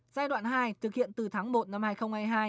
giai đoạn hai thực hiện từ tháng một năm hai nghìn hai mươi hai